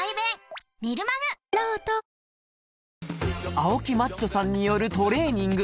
青木マッチョさんによるトレーニング